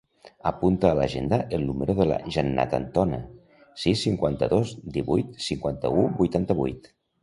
Apunta a l'agenda el número de la Jannat Antona: sis, cinquanta-dos, divuit, cinquanta-u, vuitanta-vuit.